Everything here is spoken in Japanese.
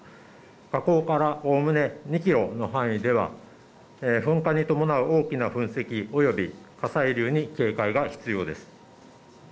火口からおおむね２キロの範囲では噴火に伴う大きな噴石、及び火砕流に警戒が必要です。